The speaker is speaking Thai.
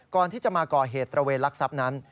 ก่อนที่จะมาก่อเหตุตระเวนลักทรัพย์นั้น